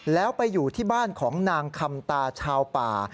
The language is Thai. แล้วไปอยู่ที่บ้านของนางคำตาชาวป่า